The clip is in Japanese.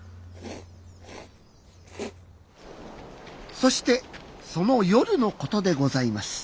そしてその夜のことでございます。